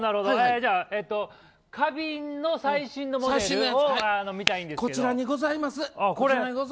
じゃあ花瓶の最新のモデルをこちらにございます。